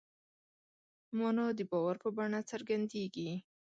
مانا د باور په بڼه څرګندېږي.